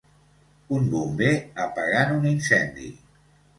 Un bomber apagant un incendi.